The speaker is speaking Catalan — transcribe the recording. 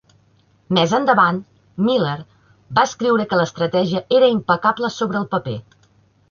Més endavant, Miller va escriure que l'estratègia era impecable sobre el paper.